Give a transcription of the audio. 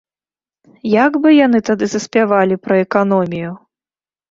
Як бы яны тады заспявалі пра эканомію!